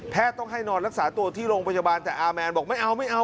ต้องให้นอนรักษาตัวที่โรงพยาบาลแต่อาแมนบอกไม่เอาไม่เอา